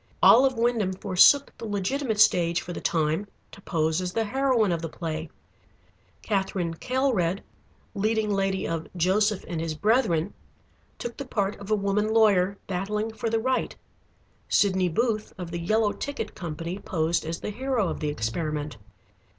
"Olive Wyndham forsook the legitimate stage for the time to pose as the heroine of the play. Katherine Kaelred, leading lady of 'Joseph and his Brethren,' took the part of a woman lawyer battling for the right. Sydney Booth, of the 'Yellow Ticket' company posed as the hero of the experiment.